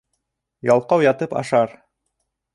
Ялҡау ятып ашар.